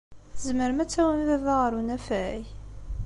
Tzemrem ad tawim baba ɣer unafag?